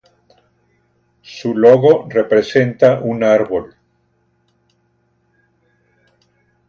Su logo representa un árbol.